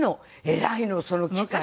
偉いのその機械。